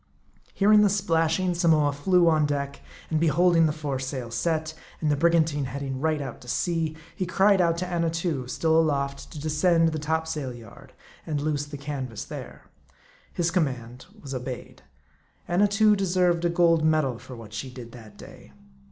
Hearing the splashing, Samoa flew on deck ; and be holding the foresail set, and the brigantine heading right out to sea, he cried out to Annatoo, still aloft, to descend to the topsail yard, and loose the canvas there. His command was obeyed. Annatoo deserved a gold medal for what she did that day.